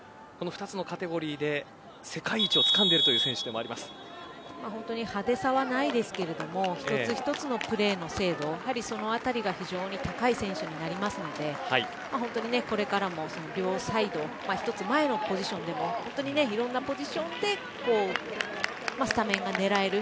この２つのカテゴリーで世界一をつかんでいるという本当に派手さはないんですが一つ一つのプレーの精度、やはりそのあたりが非常に高い選手になりますので本当に、これからも両サイド１つ前のポジションでも本当にいろんなポジションでスタメンが狙える。